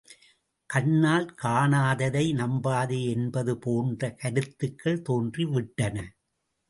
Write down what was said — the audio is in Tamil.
கண்ணால் காணாததை நம்பாதே என்பது போன்ற கருத்துக்கள் தோன்றி விட்டன.